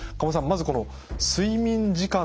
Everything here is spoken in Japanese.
まずこの「睡眠時間の確保」